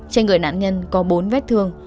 trên người nạn nhân có bốn vết thương